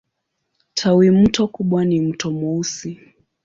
Tawimto kubwa ni Mto Mweusi.